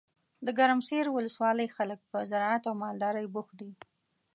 دګرمسیر ولسوالۍ خلګ په زراعت او مالدارۍ بوخت دي.